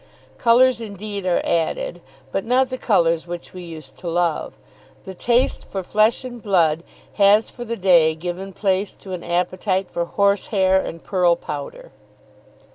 Colours indeed are added, but not the colours which we used to love. The taste for flesh and blood has for the day given place to an appetite for horsehair and pearl powder.